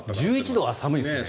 １１度は寒いですよね。